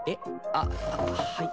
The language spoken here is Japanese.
あっはい。